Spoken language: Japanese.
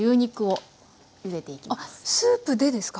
あっスープでですか？